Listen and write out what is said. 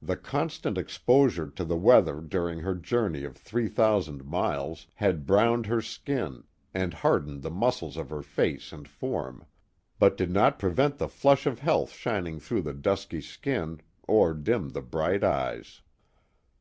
The constant exposure to the weather during her journey of three thousand miles had browned her skin and hardened the muscles of her face and form, but did not pre vent the flush of health shining through the dusky skin or dim the bright eyes.